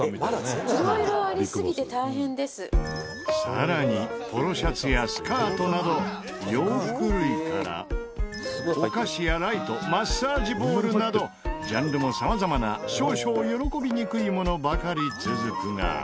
さらにポロシャツやスカートなど洋服類からお菓子やライトマッサージボールなどジャンルも様々な少々喜びにくいものばかり続くが。